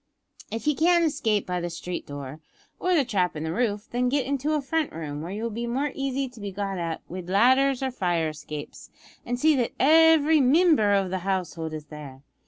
"If ye can't escape by the street door, or the trap in the roof, then get into a front room, where you will be more easy to be got at wid ladders or fire escapes, an' see that every mimber o' the household is there.